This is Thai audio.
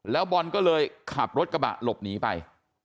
แล้วบอลก็เลยขับรถกระบะหลบหนีไป